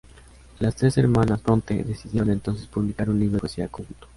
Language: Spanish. Las tres hermanas Brontë decidieron entonces publicar un libro de poesía conjunto.